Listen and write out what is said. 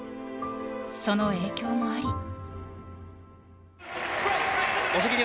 その影響もあり。